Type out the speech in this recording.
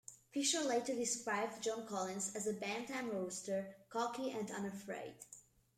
Fisher later described John Collins as a bantam rooster, cocky and unafraid.